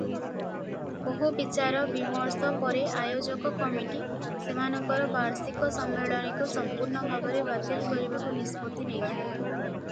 ବହୁ ବିଚାର ବିମର୍ଶ ପରେ ଆୟୋଜକ କମିଟି ସେମାନଙ୍କର ବାର୍ଷିକ ସମ୍ମିଳନୀକୁ ସମ୍ପୂର୍ଣ୍ଣ ଭାବରେ ବାତିଲ କରିବାକୁ ନିଷ୍ପତ୍ତି ନେଇଥିଲା ।